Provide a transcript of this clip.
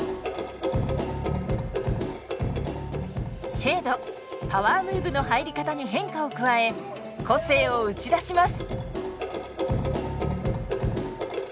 ＳＨＡＤＥパワームーブの入り方に変化を加え個性を打ち出します。